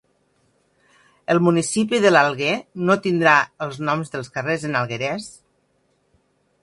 El municipi de l'Alguer no tindrà els noms dels carrers en alguerès